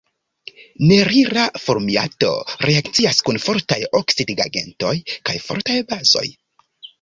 Nerila formiato reakcias kun fortaj oksidigagentoj kaj fortaj bazoj.